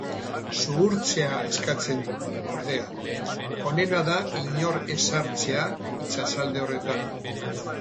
Zuhurtziak eskatzen du, ordea, onena dela inor ez sartzea itsasalde horretan.